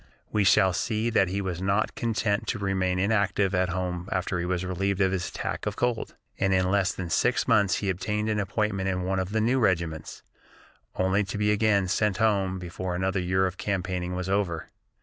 We shall see that he was not content to remain inactive at home after he was relieved of his attack of cold, and in less than six months he obtained an appointment in one of the new regiments, only to be again sent home before another year of campaigning was over.